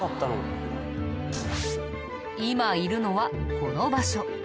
今いるのはこの場所。